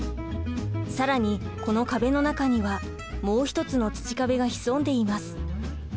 更にこの壁の中にはもう一つの土壁が潜んでいます。